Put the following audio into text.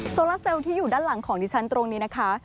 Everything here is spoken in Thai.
โซลาเซลที่อยู่ด้านหลังของดิฉันตรงนี้นะคะ